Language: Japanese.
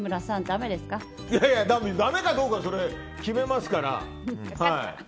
だめかどうかは決めますから。